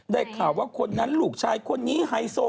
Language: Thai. ข่าวว่าคนนั้นลูกชายคนนี้ไฮโซ